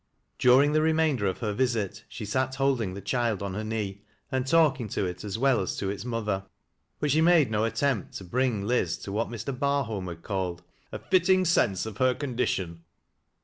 During the remainder of her visit, she sat holding the child on her knee, and talking to it as well as to its mother But she made no attempt to bring Liz to what Mr. Bar holm had called, " a fitting sense of her condition."